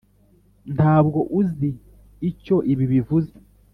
ntabwo uzi icyo ibi bivuze?